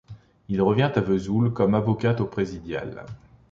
Il revient à Vesoul comme avocat au présidial.